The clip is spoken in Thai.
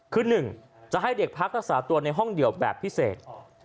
คือ๑จะให้เด็กพักรักษาตัวในห้องเดี่ยวแบบพิเศษ